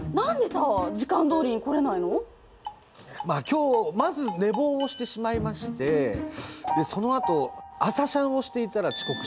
まあ今日まず寝坊をしてしまいましてでそのあと朝シャンをしていたら遅刻してしまいました。